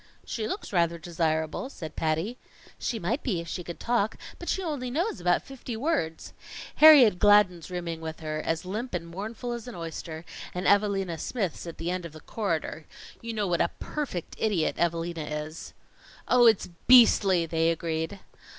"She looks rather desirable," said Patty. "She might be if she could talk, but she only knows about fifty words. Harriet Gladden's rooming with her, as limp and mournful as an oyster, and Evalina Smith's at the end of the corridor. You know what a perfect idiot Evalina is." "Oh, it's beastly!" they agreed.